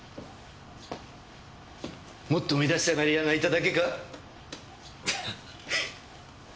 もっと目立ちたがり屋がいただけか？